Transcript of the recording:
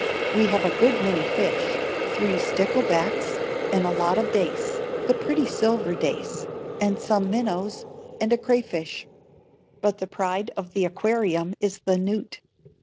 We have a good many fish,—three stickle backs, and a lot of dace, the pretty silver dace, and some minnows and a crayfish; but the pride of the aquarium is the newt.